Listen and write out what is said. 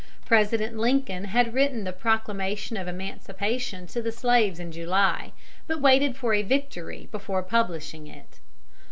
] President Lincoln had written the Proclamation of Emancipation to the slaves in July, but waited for a victory before publishing it.